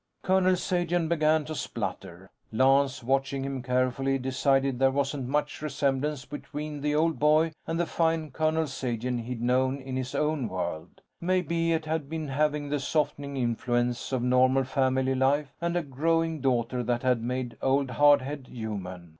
Colonel Sagen began to splutter. Lance, watching him carefully, decided there wasn't much resemblance between the old boy and the fine Colonel Sagen he'd known in his own world. Maybe it'd been having the softening influence of normal family life and a growing daughter that had made old Hard Head human.